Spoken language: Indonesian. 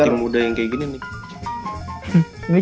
ustaz tim muda yang kayak gini nih